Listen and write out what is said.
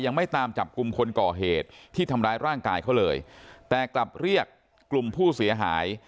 ยังไม่ตามจับกลุ่มคนก่อเหตุที่ทำร้ายร่างกายเขาเลยแต่กลับเรียกกลุ่มผู้เสียหาย